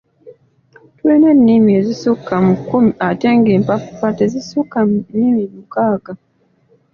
Tulina ennimi ezisukka mu kkumi ate ng'empapula tezisukka nnimi mukaaga.